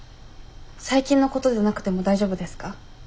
最近のことでなくても大丈夫ですか？